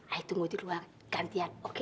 ayo tunggu di luar gantian oke